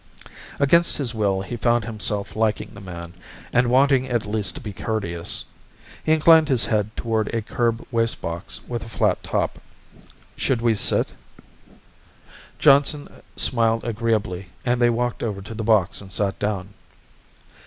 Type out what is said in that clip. Against his will he found himself liking the man, and wanting at least to be courteous. He inclined his head toward a curb wastebox with a flat top. "Should we sit?" Johnson smiled agreeably and they walked over to the box and sat down.